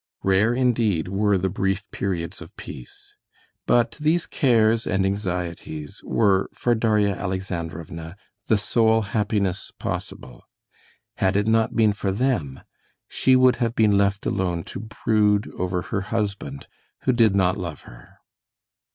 Rare indeed were the brief periods of peace. But these cares and anxieties were for Darya Alexandrovna the sole happiness possible. Had it not been for them, she would have been left alone to brood over her husband who did not love her.